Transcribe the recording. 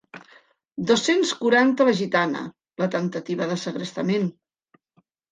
Dos-cents quaranta la gitana, la temptativa de segrestament.